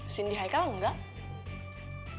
cindy heikel enggak